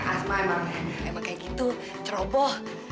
asma emang emang kayak gitu ceroboh